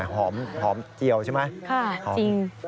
หอมเกียวใช่ไหม